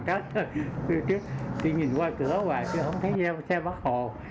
tôi nhìn qua cửa và tôi không thấy xe bắt hồ